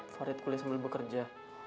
farid kuliah sambil bekerja